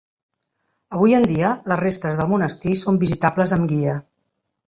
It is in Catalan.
Avui en dia les restes del monestir són visitables amb guia.